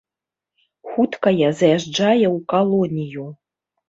Хуткая заязджае ў калонію.